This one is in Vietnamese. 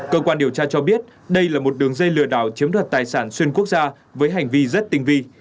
cơ quan điều tra cho biết đây là một đường dây lừa đảo chiếm đoạt tài sản xuyên quốc gia với hành vi rất tinh vi